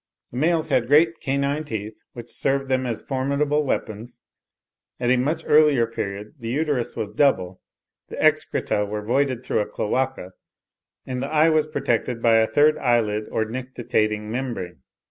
The males had great canine teeth, which served them as formidable weapons. At a much earlier period the uterus was double; the excreta were voided through a cloaca; and the eye was protected by a third eyelid or nictitating membrane.